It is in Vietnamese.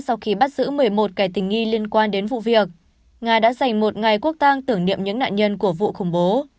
sau khi bắt giữ một mươi một kẻ tình nghi liên quan đến vụ việc nga đã dành một ngày quốc tang tưởng niệm những nạn nhân của vụ khủng bố